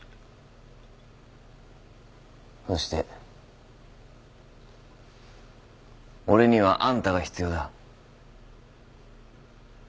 そして俺にはあんたが必要だ。